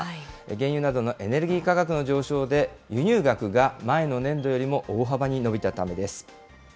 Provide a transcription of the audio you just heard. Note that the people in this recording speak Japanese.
原油などのエネルギー価格の上昇で、輸入額が前の年度よりも大幅に伸びたためです。